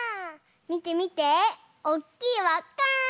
みてみておっきいわっか！